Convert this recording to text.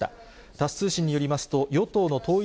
タス通信によりますと与党の統一